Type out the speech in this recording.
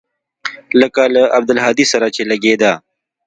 لکه له عبدالهادي سره چې لګېده.